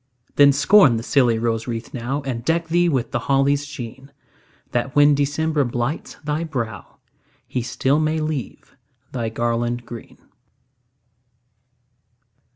Then, scorn the silly rose wreath now, And deck thee with the holly's sheen, That, when December blights thy brow, He still may leave thy garland green.